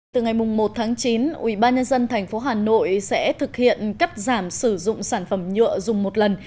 từ ngày một tháng chín ủy ban nhân dân tp hà nội sẽ thực hiện cắt giảm sử dụng sản phẩm nhựa dùng một lần